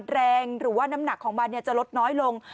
แรงหรือว่าน้ำหนักของมันจะลดน้อยลง